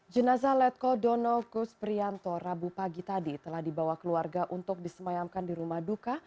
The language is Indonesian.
jenazah letko dono kus prianto rabu pagi tadi telah dibawa keluarga untuk disemayamkan di rumah duka